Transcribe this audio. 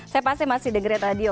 saya pasti masih dengerin radio